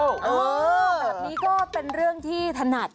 แบบนี้ก็เป็นเรื่องที่ถนัด